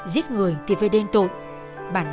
giết người thì phải đem ra một bài hát